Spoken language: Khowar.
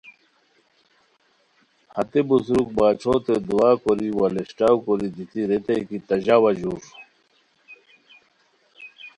ہتے بزرگ باچھوتے دُعا کوری وا لشٹاؤ کوری دیتی ریتائے کی، 'تہ ژاؤ اژور